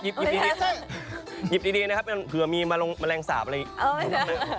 หยิบดีนะครับเผื่อมีแมลงสาบอะไรอีก